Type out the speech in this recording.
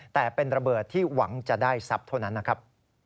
แต่เป็นระเบิดที่หวังจะได้ทรัพย์เท่านั้นนะครับ